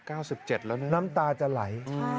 ๙๗แล้วนะครับใช่